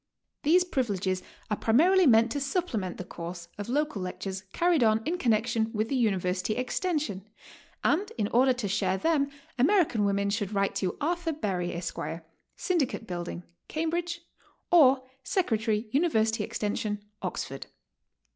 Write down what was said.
These privileges are primarily meant to supplement the course of local lectures carried on in connection with the University Extension, and in order to share them American women should write to Arthur Berry, Esq., Syndicate Building, Cambridge, or Secretary, University Extension, Oxford.